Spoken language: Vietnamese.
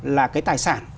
là cái tài sản